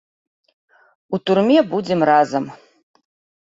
У турме будзем разам.